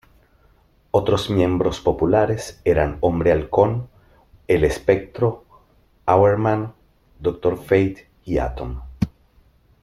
Otros miembros populares eran Hombre Halcón, el El Espectro, Hourman, Doctor Fate y Atom.